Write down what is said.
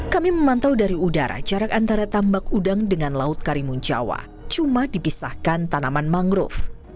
kami memantau dari udara jarak antara tambak udang dengan laut karimun jawa cuma dipisahkan tanaman mangrove